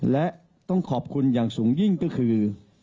และต้องขอบคุณอย่างสูงยิ่งก็คือ